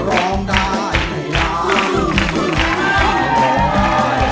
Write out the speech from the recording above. ร้องได้ให้ล้าน